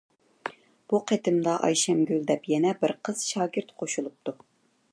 بۇ قېتىمدا ئايشەمگۈل دەپ يەنە بىر قىز شاگىرت قوشۇلۇپتۇ.